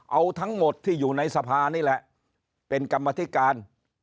เอาทั้งหมดที่อยู่ในสภานี่แหละเป็นกรรมธิการ